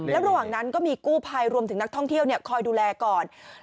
ระหว่างนั้นก็มีกู้ภัยรวมถึงนักท่องเที่ยวคอยดูแลก่อน